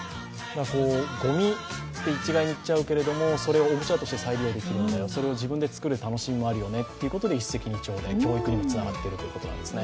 ごみと一概に言っちゃうけれどもそれをおもちゃとして再利用できる、それで自分で作る楽しみもあるよねということで、一石二鳥で環境にもつながっているということですね。